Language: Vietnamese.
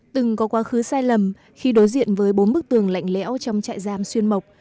từng có quá khứ sai lầm khi đối diện với bốn bức tường lạnh lẽo trong trại giam xuyên mộc